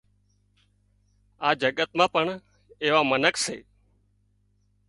آ جڳت مان پڻ ايوان منک سي